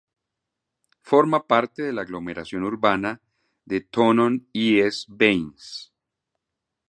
Forma parte de la aglomeración urbana de Thonon-les-Bains.